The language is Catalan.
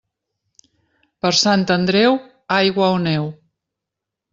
Per Sant Andreu, aigua o neu.